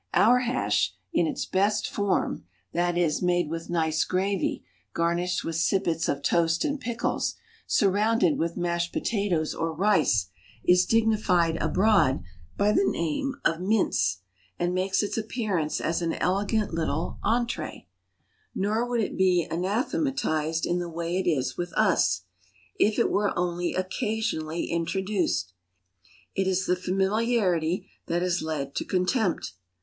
Our hash, in its best form that is, made with nice gravy, garnished with sippets of toast and pickles, surrounded with mashed potatoes or rice is dignified abroad by the name of mince, and makes its appearance as an elegant little entrée. Nor would it be anathematized in the way it is with us, if it were only occasionally introduced. It is the familiarity that has led to contempt.